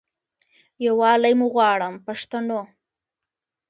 یووالی مو غواړم پښتنو.